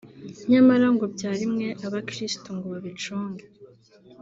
nyamara ngo byarimwe abakirisitu ngo babicunge